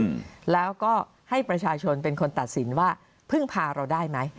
อืมแล้วก็ให้ประชาชนเป็นคนตัดสินว่าพึ่งพาเราได้ไหม